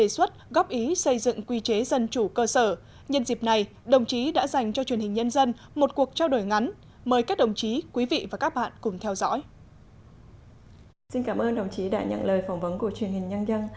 xin cảm ơn đồng chí đã nhận lời phỏng vấn của truyền hình nhân dân